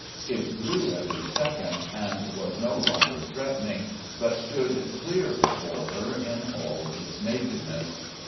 It grew every second and was no longer threatening, but stood clear before her in all its nakedness.